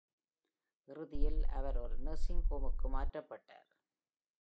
இறுதியில், அவர் ஒரு நர்சிங் ஹோமுக்கு மாற்றப்பட்டார்.